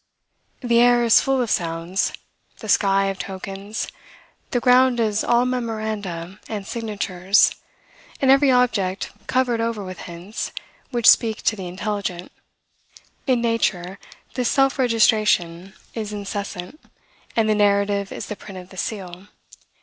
The air is full of sounds; the sky, of tokens; the ground is all memoranda and signatures; and every object covered over with hints, which speak to the intelligent. In nature, this self registration is incessant, and the narrative is the print of the seal.